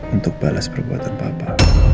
untuk balas perbuatan papa